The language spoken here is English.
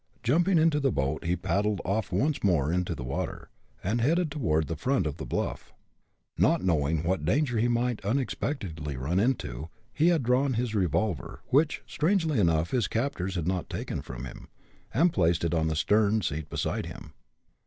Jumping into the boat he paddled off once more into the water, and headed toward the front of the bluff. Not knowing what danger he might unexpectedly run into, he had drawn his revolver, which, strangely enough his captors had not taken from him, and placed it on the stern seat beside him.